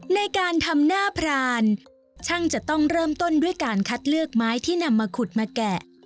ในการทำหน้าพรานช่างจะต้องเริ่มต้นด้วยการคัดเลือกไม้ที่นำมาขุดมาแกะ